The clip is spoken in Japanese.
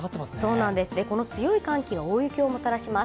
この強い寒気は大雪をもたらします。